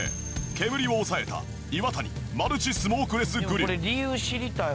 煙を抑えたイワタニマルチスモークレスグリル。